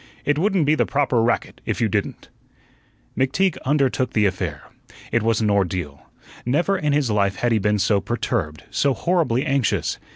"It wouldn't be the proper racket if you didn't." McTeague undertook the affair. It was an ordeal. Never in his life had he been so perturbed, so horribly anxious.